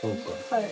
はい。